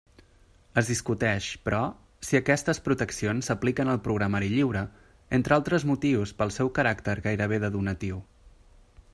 Es discuteix, però, si aquestes proteccions s'apliquen al programari lliure, entre altres motius pel seu caràcter gairebé de donatiu.